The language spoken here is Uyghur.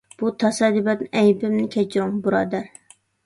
بۇ تاسادىپەن ئەيىبىمنى كەچۈرۈڭ، بۇرادەر.